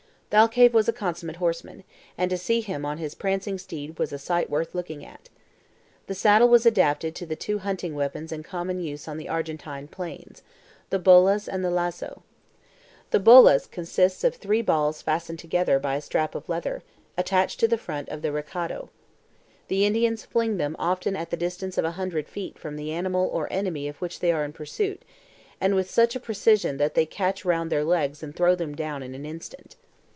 Thalcave was a consummate horseman, and to see him on his prancing steed was a sight worth looking at. The saddle was adapted to the two hunting weapons in common use on the Argentine plains the BOLAS and the LAZO. The BOLAS consists of three balls fastened together by a strap of leather, attached to the front of the RECADO. The Indians fling them often at the distance of a hundred feet from the animal or enemy of which they are in pursuit, and with such precision that they catch round their legs and throw them down in an instant.